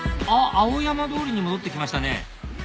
青山通りに戻って来ましたね